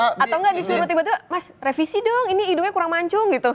atau nggak disuruh tiba tiba mas revisi dong ini hidungnya kurang mancung gitu